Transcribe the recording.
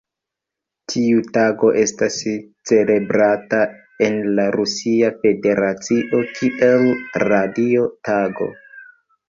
Tiu tago estas celebrata en la Rusia Federacio kiel Radio Tago.